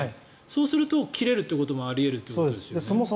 そうすると切れるということもあり得るということですよね。